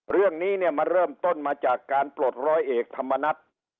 เรื่องนี้เนี่ยมันเริ่มต้นมาจากการปลดร้อยเอกธรรมนัฐ